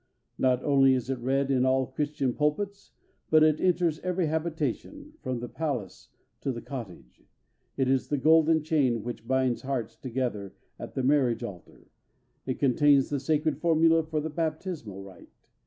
Not only is it read in all Christian pulpits, but it enters every habitation, from the palace to the cottage. It is the golden chain which binds hearts together at the marriage altar; it contains the sacred formula for the baptismal rite.